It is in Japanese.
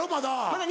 まだ。